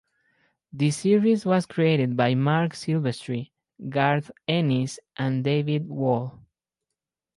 The series was created by Marc Silvestri, Garth Ennis, and David Wohl.